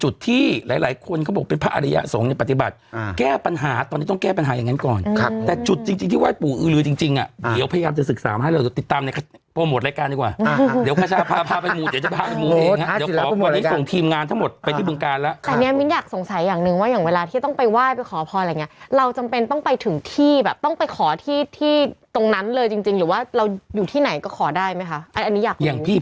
รีบไปรีบอะไรอย่างงี้ไหมคะถูกต้องพอคนมันเยอะเยอะแน่นแน่นอย่างงี้น้อง